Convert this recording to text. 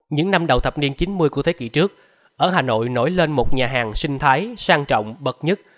những năm đầu thập niên chín mươi của thế kỷ trước ở hà nội nổi lên một nhà hàng sinh thái sang trọng bậc nhất